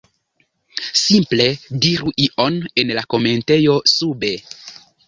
simple diru ion en la komentejo sube